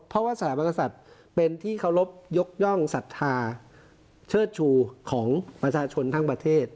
เพราะว่าสถาบันกษัตริย์เป็นที่เคารพยกย่องศรัทธาเชิดชูของประชาชนทั้งประเทศ